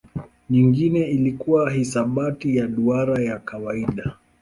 Nyingine ilikuwa hisabati ya duara ya kawaida.